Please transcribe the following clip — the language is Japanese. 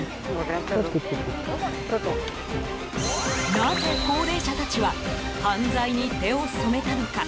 なぜ高齢者たちは犯罪に手を染めたのか。